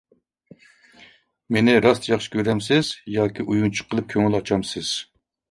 مېنى راست ياخشى كۆرەمسىز ياكى ئويۇنچۇق قىلىپ كۆڭۈل ئاچامسىز؟